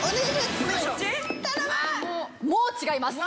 もう違います。